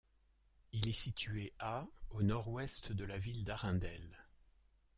Il est situé à au nord-ouest de la ville d'Arundel.